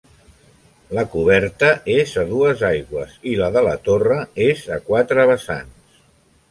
La coberta és a dues aigües i la de la torre és a quatre vessants.